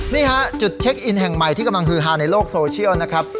นี่ฮะจุดเช็คอินแห่งใหม่ที่กำลังฮือฮาในโลกโซเชียลนะครับ